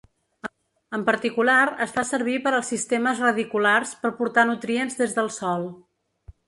En particular, es fa servir per als sistemes radiculars per portar nutrients des del sòl.